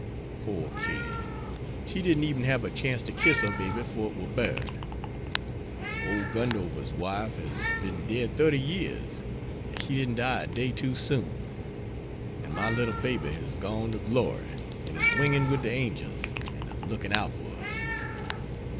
Pore Katie, she didn't eben hab a chance to kiss her baby 'fore it war buried. Ole Gundover's wife has been dead thirty years, an' she didn't die a day too soon. An' my little baby has gone to glory, an' is wingin' wid the angels an' a lookin' out for us.